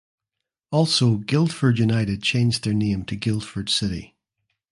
Also Guildford United changed their name to Guildford City.